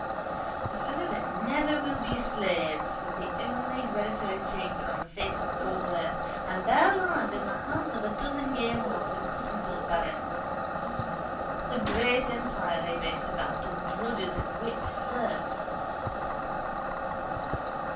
The fellows that never will be slaves, with the only hereditary chamber on the face of God's earth and their land in the hands of a dozen gamehogs and cottonball barons. That's the great empire they boast about of drudges and whipped serfs.